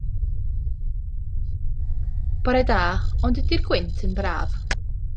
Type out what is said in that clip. Bore da, o'nd ydi'r gwynt yn braf?